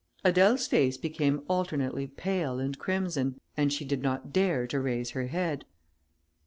Adèle's face became alternately pale and crimson, and she did not dare to raise her head.